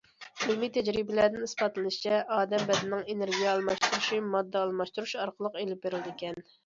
ئىلمىي تەجرىبىلەردىن ئىسپاتلىنىشىچە، ئادەم بەدىنىنىڭ ئېنېرگىيە ئالماشتۇرۇشى ماددا ئالماشتۇرۇش ئارقىلىق ئېلىپ بېرىلىدىكەن.